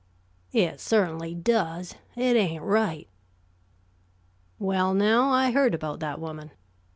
"It certainly does. It ain't right." "Well, now, I heard about that woman.